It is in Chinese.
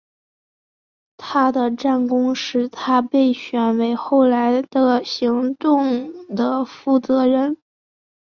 他的战功使他被选为后来的行动的负责人。